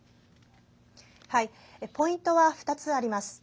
ポイントは２つあります。